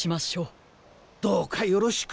どうかよろしく。